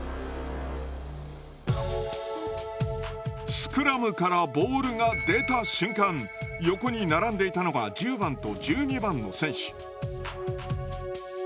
スクラムからボールが出た瞬間横に並んでいたのは１０番と１２番の選手。